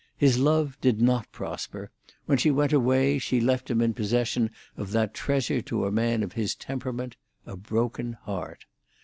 His love did not prosper; when she went away she left him in possession of that treasure to a man of his temperament, a broken heart.